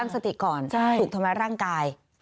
สติก่อนถูกทำร้ายร่างกาย